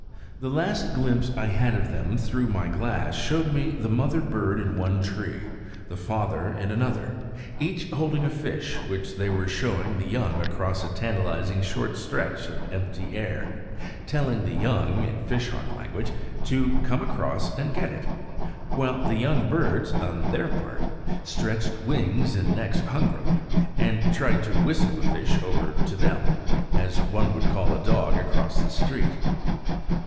The last glimpse I had of them through my glass showed me the mother bird in one tree, the father in another, each holding a fish, which they were showing the young across a tantalizing short stretch of empty air, telling the young in fishhawk language to come across and get it; while the young birds, on their part, stretched wings and necks hungrily and tried to whistle the fish over to them, as one would call a dog across the street.